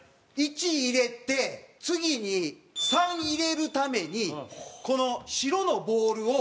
１入れて次に３入れるためにこの白のボールを。